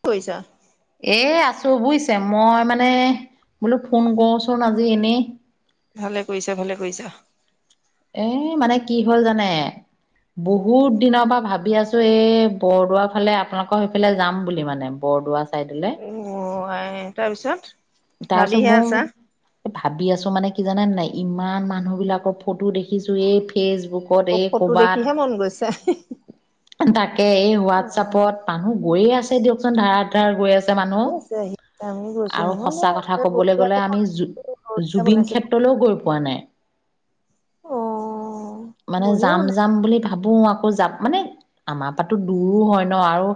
কি কৰিছা? এ আছোঁ বুজিছা, মই মানে বোলো ফোন কৰোচোন আজি এনেই। ভালে কৰিছা, ভালে কৰিছা। এ মানে কি হ'ল জানে। বহুত দিনৰ পৰা ভাবি আছোঁ, এই বৰদোৱা ফালে আপোনালোকৰ সেইফালে যাম বুলি মানে বৰদোৱা চা চাইদলে। অহ, আই তাৰপিছত। তাৰপিছত ভাবিহে ব আছা, ভাবি আছোঁ মানে কি জানা নে নাই। ইমান মানুহবিলাকৰ ফটো দেখিছোঁ এই ফেচবুক এই ফটো ক'বাত দেখিহে মন গৈছে। অ'। তাকে এই হোৱাটছাপত। মানুহ গৈয়ে আছে দিয়কচোন ধাৰা-ধাৰ গৈ আছে মানুহ আহি আছে, আহি আছে আমি গৈছো আৰু নহয় সঁচা কথা ক'বলৈ বঢ়িয়া গ'লে আমি, জু-জুবিন বনাইছে ক্ষেত্ৰলৈও গৈ পোৱা নাই। অ' মানে বঢ়িয়া বনাই যাম-যাম বুলি ভাবোঁ আকৌ যা, মানে আমাৰ পৰাতো দূৰো হয় ন' আৰু।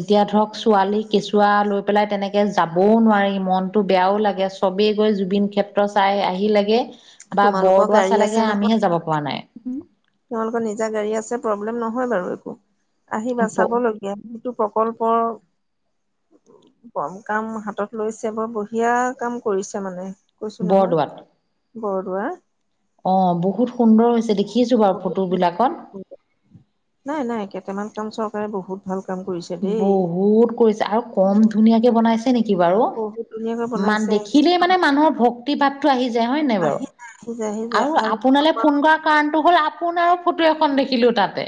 এতিয়া ধৰক ছোৱালীক কেঁচুৱা লৈ পেলাই তেনেকৈ যাবও নোৱাৰি, মনটো বেয়াও লাগে চবেই গৈ জুবিন ক্ষেত্ৰ চাই আহি লাগে বা তোমালোকৰ বৰদোৱা গাড়ী আছে চালাগে নহয়। আমিহে যাব পৰা নাই। তোমালোকৰ নিজা গাড়ী আছে, প্ৰব্লেম নহয় বাৰু একো। আহিবা চাব ল [unintelligible] প্ৰকল্প কম কাম হাতত লৈছে বৰ বঢ়িয়া কাম কৰিছে মানে। বৰদোৱাত। বৰদোৱা। অ' বহুত সুন্দৰ হৈছে। দেখিছোঁ বাৰু ফটো বিলাকত। বৰদোৱাৰ। নাই নাই কেটামান কাম চৰকাৰে বহুত ভাল কাম কইছ বহুত কইছে। আৰু কম ধুনীয়াকে বনাইছ এ নেকি বাৰু। বহুত ধুনীয়াকৈ মান, বনাইছে দেখিলেই মানে মানুহৰ ভক তি বাপটো আহি যায় হয় নাই বাৰু? আহি যায় আহি যায় আহি যায় আও আৰু আপোনালে ফোন কৰা কাৱণটো হ'ল আপোনাও ফটো এখন দেখিলোঁ তাতে।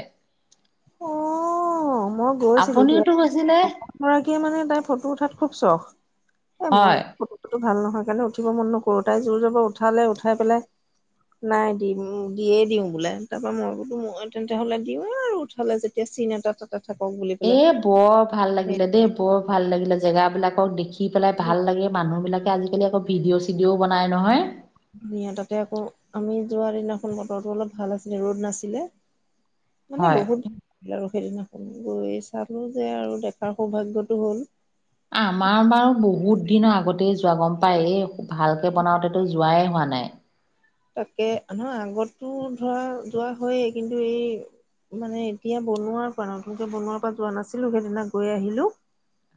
গৈছিলোঁ দিয়া, আপুনিওতো গৈছিলে [unintelligible] মানে কি মানে তাই ফটো উঠাত খুব চখ। এ মই হয়। ফটো চটো ভাল নহয় কাণে উঠিব মন নকৰোঁ। তাই জোৰ জব উঠালে, উঠাই পেলাই নাই দিম, দিয়ে দিওঁ বোলে। তাপা মই বোলো, মই তেন্তে হ'লে দিওঁ আৰু উঠ হ'লে যেতিয়া চিন এটা তাতে থাকক বুলি এ পেলাই। বৰ ভাল সেই লাগিলে দেই, বৰ ভাল লাগিলে। জেগাবিলাকক দেখি পেলাই ভাল বৰ লাগে। মানুহ বিলাকে আজিকালি আকৌ ভিডিঅ', চিডিঅ'ও বনাই নহয়। ধুনীয়া। তাতে আকৌ আমি যোৱা দিনাখন বতৰটো অলপ ভাল আছিলে, ৰ'দ নাছিলে। মানে হয়। বহুত [unintelligible] এ আৰু সেদিনাখন গৈ চালোঁ যে আৰু দেখাৰ সৌভাগ্যতটো হ'ল। আমাৰ বাৰু বহুত দিনৰ আগতেই যোৱা গম পায়। এই ভালকে বনাওঁতেতো যোৱাই হোৱা নাই। তাকে নহয় আগতো ধৰা যোৱা হয়ে কিন্তু এই মানে এতিয়া বনোৱাৰ পৱা, নতুনকে বনোৱাৰ পৱা যোৱা নাছিলোঁ, সেদিনা গৈ আহিলোঁ।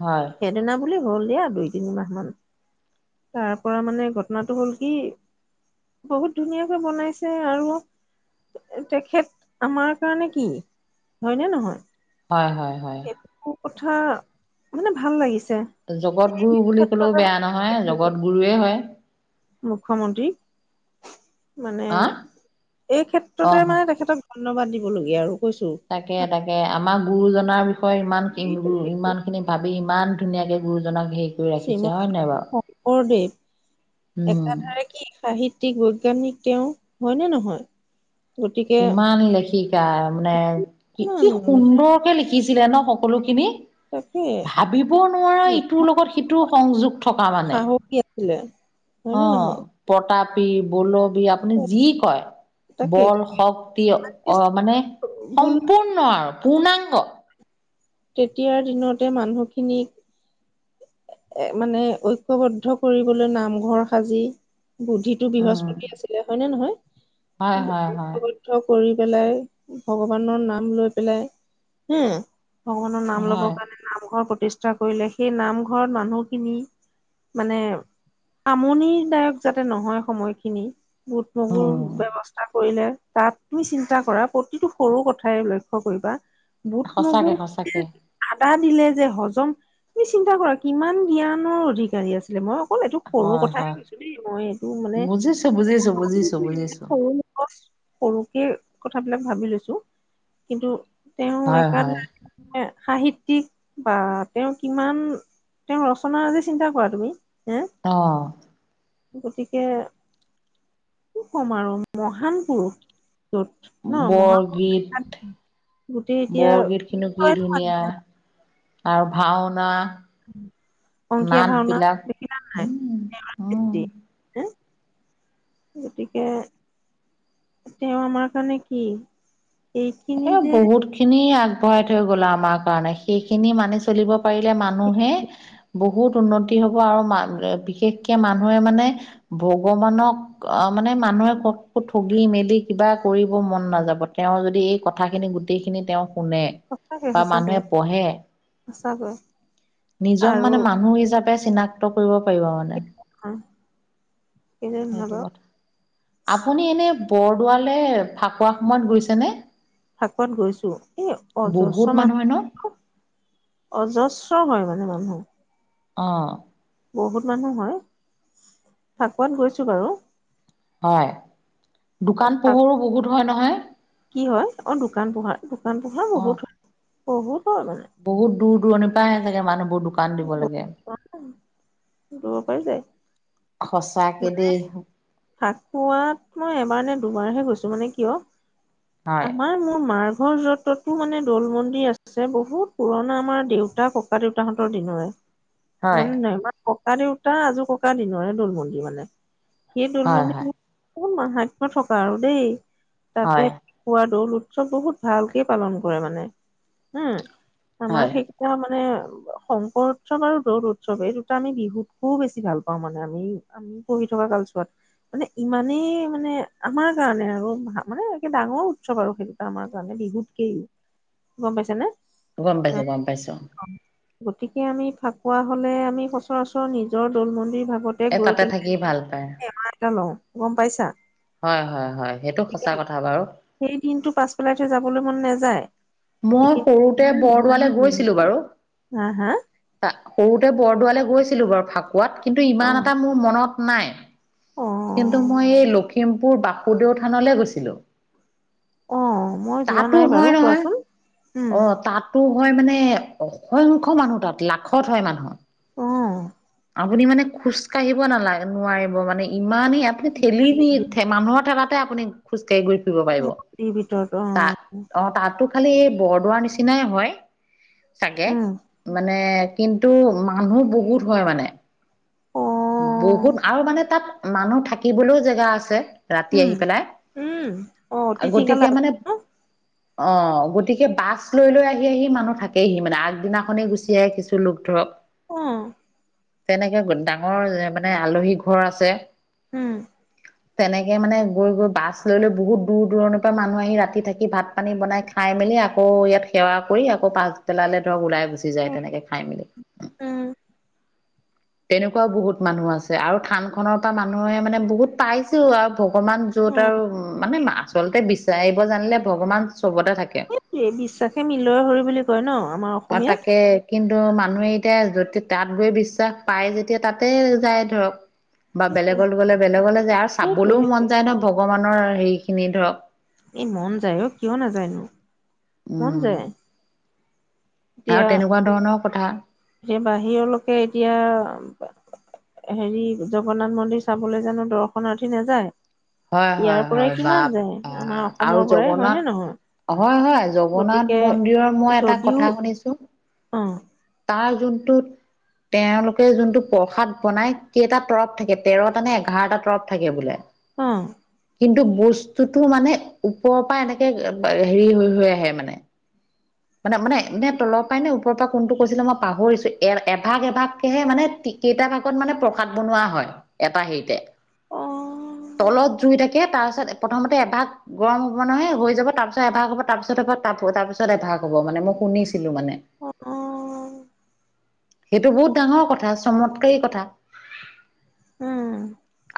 হয়। সেদিনা বুলি হ'ল দিয়া দুই তিনিমাহ মান। তাৰ পৰা মানে ঘটনাটো হ'ল কি বহুত ধুনীয়াকে বনাইছে আৰু। এ তেখেত আমাৰ কাৰণে কি? হয়নে নহয়? হয়, হয়, হয়। কু-কুথা মানে ভাল লাগিছে। জগত গুৰু বুলি ক'লেও ক্ষেত্ৰতে বেয়া নহয়, জগত গুৰুৱে হয়। মুখ্যমন্ত্ৰী, মানে আ এই ক্ষেত্ৰতে অ মানে তেখেতক অন্যবাদ দিবলগীয়া আৰু কৈছোঁ। তাকে তাকে আমাৰ গুৰুজনাৰ বিষয়ে ইমান সেইটোৱে। [unintelligible] ইমান। খিনি ভাবি ইমান ধুনীয়াকে গুৰুজনাক হেই শ্ৰীমন শংকৰদেৱ উম একাধাই কি সাহিত তিক বৈজ্ঞানিক তেওঁ হয় নে নহয়? গতিকে কিমান লেখিকা মানে কিমান কি-কি মানে সুন্দৰ এ লিখিছিলে ন সকলোখিনি। তাকে ভাবিব নোৱাৰা ইটোৰ লগত সিটো সংযোগ থকা মানে। বোলে। অ' প্ৰতাপী, বোলবিয়াপ। আপনি যি কয়। তাকে বল শক্তি, অ' মানে ভুল সম্পূৰ্ণ ন আৰু পূৰ্ণাংগ। তেতিয়াৰ দিনতে মানুহখিনিক এ মানে ঐক্যবদ্ধ কৰিবলৈ নামঘৰ সাজি। বুদ্ধিটো উম বৃহস্পতি আছিলে হয় নে নহয়? হয়, হয়, হয়। তীৰ্থ কৰি পেলাই, ভগৱানৰ নাম লৈ পেলাই, উ। ভগৱানৰ নাম ল'ব হয় কাণে নামঘৰ প্ৰতিষ্ঠা কইলে, সেই নামঘৰত মানুহখিনি মানে আমনিদায়ক যাতে নহয় সময়খিনি। বুট মগুৰ উম ব্যৱস্থা কইলে। তাত তুমি চিন্তা কৰা প্ৰতিটো সৰু কথাই লক্ষ্য কইবা। বুট মগু সঁচাকে সঁচাকে [unintelligible] আধা দিলে যে হজম, তুমি চিন্তা কৰা কিমান জ্ঞানৰ অধিকাৰী আছিলে মই অকলকল এইটো সৰু হয় কথাই হয় শুনিছো দেই মই এইটো মানে বুজিছো বুজিছো বুজিছো ই বুজিছো সৰু ফাৰ্ষ্ট সৰুকে কথাবিলাক ভাবি লৈছোঁ কিন্তু, তেওঁ হয় এক হয় সাহিত্যিক বা তেওঁ কিমান তেওঁ ৰচনাৰ আজি চিন্তা কৰা তুমি হ, অ গতিকে কি কম আৰু মহান পুৰুষ। ন মহান বৰগীত বিখ্যাত [inaudible] গোটেই এতিয়া বৰগীত খিনো কি ধুনীয়া [inaudible] আৰু ভাওনা, অংকীয়া নাত ভাওনা বিলাক দেখিলা উম উ, হ গতিকে, তেওঁ আমাৰ কাৰণে কি? এইখিনি এ যে বহুত খিনি আগবঢ়াই থৈ গ'ল আমাৰ কাৰণে সেইখিনি মানি চলিব পাৰিলে মানুহে, বহুত উন্নতি হব আৰু বিশেষকে মানুহে মানে ভগৱানক অ, মানে মানুহে কতো ঠগি মেলি কিবা কৰিব মন নাযাব তেওঁ যদি এই কথাখিনি গোটেই খিনি তেওঁ শুনে সঁচাকে বা সঁচাকে মানুহে পঢ়ে, সঁচাকৈ। নিজক আৰু মানে মানুহ হিচাপে চিনাক্ত কৰিব পাৰিব মানে। হয়, সেইটো কথা আপুনি এনেই বৰদোৱালৈ ফাকুৱা সময়ত গৈছেনে? ফাকোৱাত গৈছো এই বহুত অজস্ৰ মান মানুহ হয় ন অজস্ৰ হয় মানে মানুহ। অ, বহুত মানুহ হয় ফাকোৱাত গৈছোঁ বাৰু। হয়, দোকান তাক পোহৰো বহুত হয় নহয় কি হয় অ দোকান পোহাৰ দোকান পোহাৰ অ বহুত হয়। বহুতৰ মানে। বহুত দূৰ দূৰণিৰ পৰা আহে চাগে মানুহবোৰ দোকান দিব লাগে [inaudible] যায় সঁচাকে দেই, ফাকুৱাত মই এবাৰ নে দুবাৰহে গৈছোঁ মানে কিয় হয় আমাৰ মোৰ মাৰ ঘৰ য'ত তাতো মানে দৌল মন্দিৰ আছে বহুত পুৰণা আমাৰ দেউতা ককা দেউতাহঁতৰ দিনৰে। [inaudible] মানেমাৰ ককা দেউতা আজো ককা দিনৰ দৌলমন্দিৰ মানে। সেই হয় দলমন্দিৰ হয় [unintelligible] মাহাত্ম্য থকা আৰু দেই। তাতে হয় খোৱা দৌল উৎসৱ বহুত ভালকে পালন কৰে মানে হম আমাৰ হয় সেই এয়া মানে শংকৰ উৎসৱ আৰু দৌদ উৎসৱ এই দুটা আমি বিহুতকো বেছি ভাল পাওঁ মানে আমি পঢ়ি থকা কালচোৱাত। মানে ইমানেই মানে আমাৰ কাৰণে আৰু মানে একে ডাঙৰ উৎসৱ আৰু সেইটোটা আমাৰ কাৰণে বিহুত কি গম পাইছা নে? গম পাইছোঁ, গম পাইছোঁ অ'। গতিকে আমি ফাকুৱা হলে আমি সচৰাচৰ নিজৰ দৌল মন্দিৰ ভাগত এ তাতে থাকি ভাল পায়। [inaudible] এটা লওঁ গম পাইছা? হয়, হয়, হয় সেইটো গতিকে সঁচা কথা বাৰু। সেই দিনতটো পাছ পেলাইহে যাবলৈ মন নাযায়। মই সৰুতে বৰদোৱালৈ গৈছিলো বাৰু। হা হা সৰুতে বৰদোৱালৈ গৈছিলো বাৰু ফাকুৱাত কিন্তু অ ইমান এটা মোৰ মনত নাই। অ কিন্তু মই এই লখিমপুৰ বাসুদেউ থানলৈ গৈছিলোঁ। অ মই যোৱা তাতো নাই বাৰু হয়, নহয়। কোৱাচোন উম অ, তাতো হয় মানে অসংখ্য মানুহ তাত লাখত হয় মানুহ। অ আপুনি মানে খোজ কাঢ়িব নালাগে নোৱাৰিব মানে। ইমানেই আপুনি ঠেলি নি মানুহৰ ঠেলাতে আপুনি। খোজকাঢ়ি গ ফুৰিব পাৰিব মূৰ্তিৰ ভিতৰত অ তাত অ, তাতো। খালি এই বৰদোৱাৰ নিচিনাই হয় চাগে উম মানে। কিন্তু মানুহ বহুত হয় মানে। অ বহুত আৰু মানে তাত মানুহ থাকিবলৈও জেগা আছে। ৰাতি উম আহি উম অ পেলাই তিথি খালা গতিকে মানে অ উম অ, গতিকে বাছ লৈ, লৈ আহি, আহি মানুহ থাকেহি মানে আগদিনাখনেই গুচি আহে কিছু লোক ধৰক। অ'। তেনেকে ডাঙৰ মানে আলহী ঘৰ আছে। উম। তেনেকে মানে গৈ, গৈ বাছ লৈ, লৈ বহুত দূৰ-দূৰণিৰ পৰা মানুহ আহি ৰাতি থাকি ভাত পানী বনাই খাই মেলি আকৌ ইয়াত সেৱা কৰি আকৌ পাঁচবেলালৈ ধৰক ওলাই গুচি যায় উম তেনেকে খাই মেলি এনেকুৱাও বহুত মানুহ আছে আৰু থান খনৰ পৰা মানুহে মানে বহুত পাইছো আৰু ভগৱান য'ত আৰু মানো আচলতে বিচাৰিব জানিলে ভগৱান চবতে থাকে। বিশ্বাসে মিলৰ স বুলি কয় ন আমাৰ। অ' অসমীয়াত তাকে। কিন্তু মানুহে এতিয়া য তাত গৈ বিশ্বাস পায় যেতিয়া তাতে যায় ধৰক। বা সেইটোৱে বেলেগলৈ গলে বেলেগলে যায় আৰু সেইটোৱে চাবলৈও সেইটোৱে মন যায় ন ভগৱানৰ হেৰি খিনি ধৰক এ, মন যায় অ, কিয় নাাজায়নো মন উম যায়। এতিয়া আৰু তেনেকুৱা ধৰণৰ কথা এতিয়া বাহিৰলৈকে এতিয়া হেৰি জগন্নাথ মন্দিৰ চাবলৈ জানো দৰ্শনাৰ্থী নাযায়। হয় হয় ইয়াৰ হয় পৰাই বা কিমান যায় আমাৰ আৰু অসমৰ পৰাই জগন্নাথ হয়নে নহয়। হয়, হয় জগন্নাথ গতিকে মন্দিৰৰ মই এটা যদিও কথা শুনিছো। অ'। তাৰ যোনটোত তেওঁলোকে যোনটো প্ৰসাদ বনাই কেইটা তৰফ থাকে তেৰটা নে এঘাৰটা তৰফ থাকে বোলে। অ'। কিন্তু বস্তুটো মানে ওপৰৰ পৰা এনেকে হেৰি হৈ, হৈ আহে মানে মানে, মানে নে তলৰ পৰাই নে ওপৰ পৰা কোনটো কৈছিলে মই পাহৰিছো এ-এভাগ, এভাগেহে মানে তি কেইটা ভাগত মানে প্ৰসাদ বনোৱা হয় এটা হেৰিতে অ', তলত জুই থাকে তাৰ পাছত প্ৰথমতে এভাগ গৰম হ'ব নহয় হৈ যাব তাৰপিছত এভাগ হ'ব তাৰপিছত এভাগ তাপ হৈ তাৰপিছত এভাগ হ'ব মানে মই শুনিছিলো মানে। অ', সেইটো বহুত ডাঙৰ কথা চমৎকাৰী কথা। উম।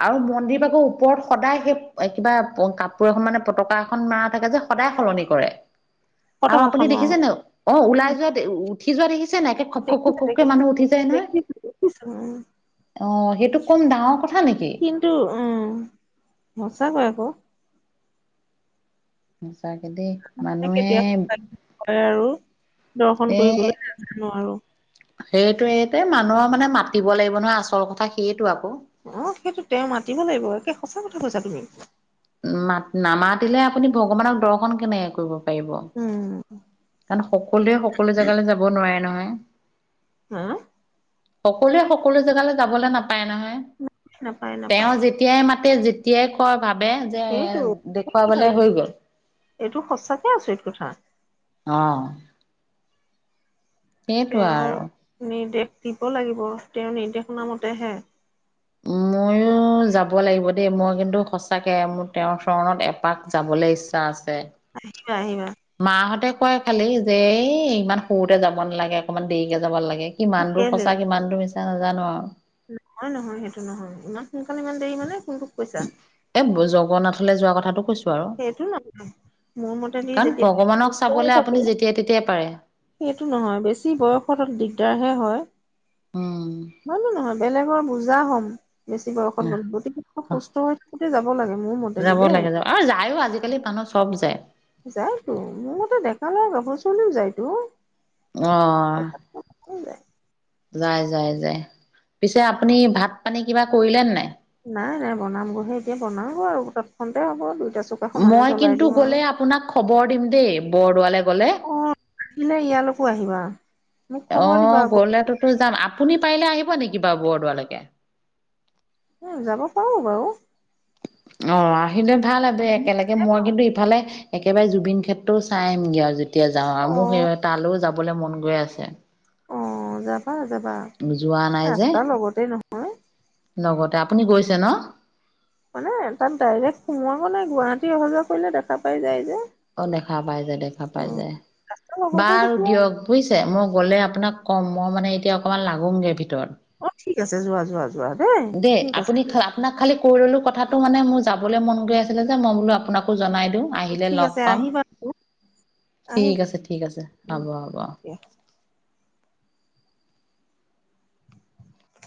আৰু মন্দিৰ ভাগৰ ওপৰত সদায় সেই কিবা কাপোৰ এখন মানে পতকা এখন মৰা থাকে যে সদায় সলনি কৰে। আৰু আপুনি পতাকাখনো দেখিছে নাই অ, ওলাই যোৱা দে ও ও উঠি যোৱা দেখিছে নাই একে খপ, খপ, খপ, দেখিছোঁ, খপ কে দেখিছোঁ, মানুহ উঠি যায় নহয়। দেখিছোঁ, দেখিছোঁ, উম, অ, সেইটো কম ডাঙৰ কথা নেকি। কিন্তু উম, সঁচাকৈ আকৌ। সঁচাকে দেই মানুহে [inaudible] দৰ্শন কৰিবলৈ নাজানো আৰু। সেইটোৱে তে মানুহক মানে মাতিব লাগিব নহয় আচল কথা সেইটো আকৌ অ', সেইটো তেওঁ মাতিব লাগিব একে সঁচা কথা কৈছা তুমি। মাত নামাতিলে আপুনি ভগৱানক দৰ্শন কেনেকে কৰিব। পাৰিব উম, কাৰণ সকলোৱে সকলো জেগালৈ যাব নোৱাৰে নহয়। হা সকলোৱে সকলো জেগালৈ যাবলৈ নাপায় নহয় নাপায়, তেওঁ নাপায় যে তেতিয়াই মাতে যেতিয়াই কৈ ভাৱে যে সেইটো সেইটো কথা দেখুৱাবলে হৈ গ'ল। এইটো সঁচাকে আচৰিত কথা। অ'। সেইটোৱে আৰু তেওঁৰ নিৰ্দেশ দিব লাগিব তেওঁৰ নিৰ্দেশনা মতেহে ময়ো ও যাব লাগিব দেই মই কিন্তু সঁচাকে মোৰ তেওঁৰ চৰণত এপাক যাবলৈ ইচ্ছা আছে। আহিবা আহিবা। মাহঁতে কয় খালি যে এই ইমান সৰুতে যাব নালাগে অকমান দেৰিকে যাব লাগে কিমান দূৰ কেলে সঁচা কিমান দূৰ মিছা নাজানো আৰু। নহয় নহয় সেইটো নহয়, ইমান সোনকালে ইমান দেৰি মানে কোনটোক কৈছা? এ জগন্নাথলৈ যোৱা কথাটো কৈছো। আৰু, সেইটো নহয় মোৰ মতেদি কাৰণ যেতিয়া ভগৱানক হৈ চাবলে থাকে আপুনি যেতিয়াই তেতিয়াই পাৰে। সেইটো নহয় বেছি বয়সত অলপ দিগদাৰহে হয়। উম হয় নে নহয়, বেলেগৰ বুজা হম। বেছি বয়সত গ'লো, গতিকে সুস্থ হৈ থাকোতে যাব লাগে মোৰ মতেদি যাব দেই। লাগে যাব আৰু যায়ও আজিকালি মানুহ চব যায়। যাইতো মোৰ মতে ডেকা ল'ৰা গাভৰু ছোৱালীও যাইতো। অহ যায় যাই যাই যাই, পিছে আপুনি ভাত পানী কিবা কৰিলে নে নাই? নাই নাই বনামগৈহে এতিয়া বনাওঁ গৈ আৰু তৎক্ষণতে হ'ব দুইটা চৌ মই কিন্তু গ'লে আপোনাক খবৰ দিম দেই বৰদোৱালে গ'লে। অ আহিলে ইয়ালৈকো আহিবা। মোক খবৰ দিবা অ', আকৌ গ'লেতোতো যাম আপুনি পাৰিলে আহিব নেকি বাৰু বৰদোৱালৈকে। ও যাব পাৰোঁ বাৰু। অ', আহিলে ভাল আছে একেলগে মই কিন্তু ইফালে একেবাৰে জুবিন ক্ষেত্ৰও চাই আহিমগৈ আজ যেতিয়া যাওঁ আৰু মোৰ সেই অ', তালৈও যাবলৈ মন গৈ আছে। অ', যাবা যাবা। যোৱা নাই যে ৰাস্তাৰ লগতে নহয় লগতে, আপুনি গৈছে ন'। মানে তাত ডাইৰেক্ট সোমোৱ গৈ নাই গুৱাহাটী অহা যোৱা কৰিলে দেখা পাই যায় যে। অ', দেখা পাই যায় দেখা পাই উম, যায় ৰাস্তাৰ লগতে বাৰু যেতিয়া দিয়ক। বুজিছে মই গ'লে আপোনাক ক'ম মই মানে এতিয়া অকণমান লাগোংগে ভিতৰত। অ', ঠিক আছে যোৱা যোৱা যোৱা। দেই দে ঠিক আছে আপুনি খলক আপোনাক খালী কৈ ল'লো কথাটো মানে মোৰ যাবলৈ মন গৈ আছিলে যে মই বোলো আপোনাকো জনাই দিওঁ। আহিলে ঠিক লগ আছে পাম, আহিবা ঠিক আহিবা। আছে ঠিক আছে হ'ব হ'ব।